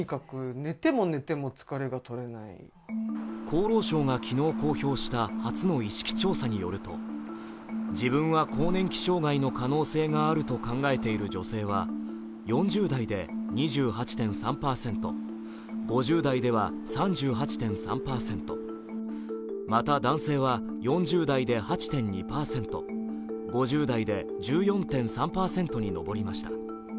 厚労省が昨日、公表した初の意識調査によると自分は更年期障害の可能性があると考えている女性は４０代で２８．３％、５０代では３８．３％、また、男性は４０代で８．２％５０代で１４．３％に上りました。